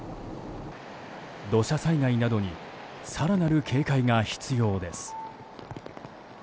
土砂災害などに更なる警戒が必要です。